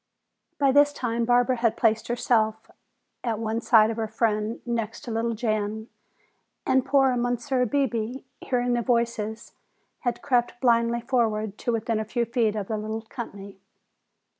By this time Barbara had placed herself at one side her friend next to little Jan. And poor Monsieur Bebé, hearing the voices, had crept blindly forward to within a few feet of the little company.